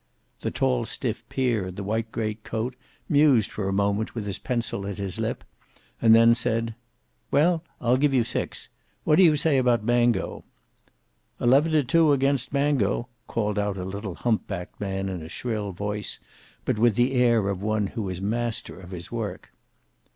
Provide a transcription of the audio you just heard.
The tall, stiff peer in the white great coat mused for a moment with his pencil at his lip, and then said, "Well, I'll give you six. What do you say about Mango?" "Eleven to two against Mango," called out a little humpbacked man in a shrill voice, but with the air of one who was master of his work.